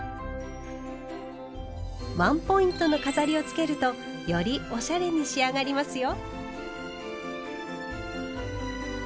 ワンポイントの飾りをつけるとよりおしゃれに仕上がりますよ。